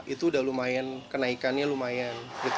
itu udah lumayan kenaikannya lumayan